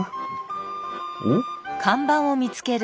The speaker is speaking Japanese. おっ？